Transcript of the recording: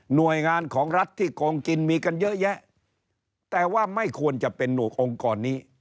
หน่วยงานของรัฐที่โกงกินมีกันเยอะแยะแต่ว่าไม่ควรจะเป็นองค์กรนี้